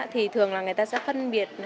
thì thường là người ta sẽ phân biệt